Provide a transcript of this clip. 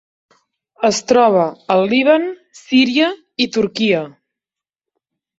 Es troba al Líban, Síria i Turquia.